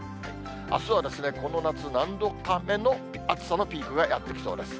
あすはですね、この夏何度か目の暑さのピークがやって来そうです。